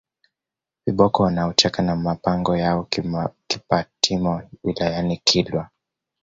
viboko wanaocheka na mapango ya Kipatimo wilayani Kilwa